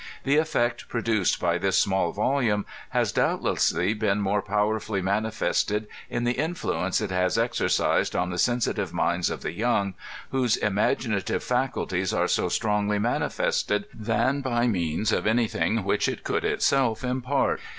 The efi^ produced by this small volume has doubtlessly been more powerfully manifested in the influence it has exercised on the sensitive minds of the young, whose imaginative faculties are so strong ly manifested, than by means of any thing which it could it self impart.